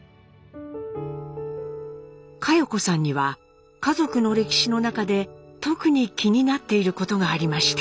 佳代子さんには家族の歴史の中で特に気になっていることがありました。